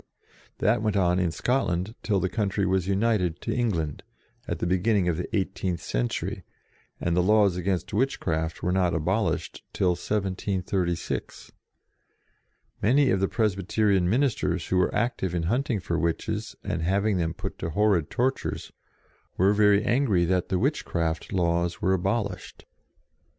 That went on in Scotland till the country was united to England, at the beginning of the eighteenth century, and the laws against witchcraft were not abolished till 1736. Many of the Presby terian ministers, who were active in hunt ing for witches and having them put to horrid tortures, were very angry that the withcraft laws were abolished.